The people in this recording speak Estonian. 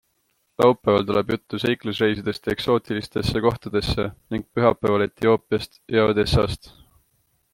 Laupäeval tuleb juttu seiklusreisidest eksootiulistesse kohtadesse ning pühapäeval Etioopiast ja Odessast.